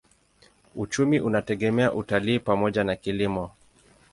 Uchumi unategemea utalii pamoja na kilimo.